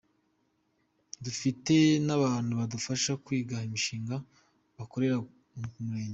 Dufite n’abantu badufasha kwiga imishinga bakorera ku Murenge.